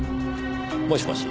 もしもし。